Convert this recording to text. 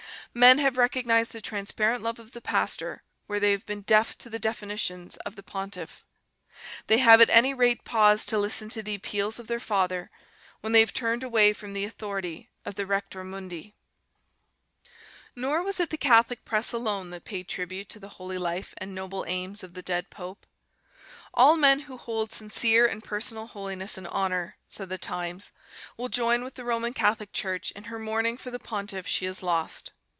Men have recognized the transparent love of the Pastor where they have been deaf to the definitions of the Pontiff; they have at any rate paused to listen to the appeals of their Father, when they have turned away from the authority of the Rector mundi." Nor was it the Catholic press alone that paid tribute to the holy life and noble aims of the dead pope. "All men who hold sincere and personal holiness in honour," said The Times, "will join with the Roman Catholic Church in her mourning for the Pontiff she has lost.